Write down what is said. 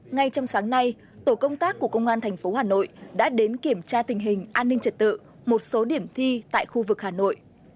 ngay trong sáng nay tổ công tác của công an tp hà nội đã đến kiểm tra tình hình an ninh trật tự một số điểm thi tại khu vực hà nội